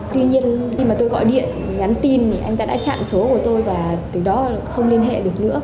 tuy nhiên khi mà tôi gọi điện nhắn tin thì anh ta đã chặn số của tôi và từ đó không liên hệ được nữa